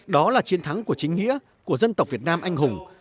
đó là chiến thắng của chính nghĩa của dân tộc việt nam anh hùng